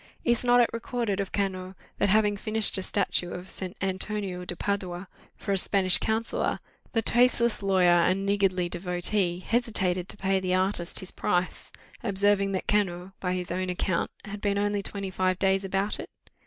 "Is not it recorded of Cano, that having finished a statue of Saint Antonio de Padua for a Spanish counsellor, the tasteless lawyer and niggardly devotee hesitated to pay the artist his price, observing that Cano, by his own account, had been only twenty five days about it?